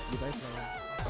gitu ya semoga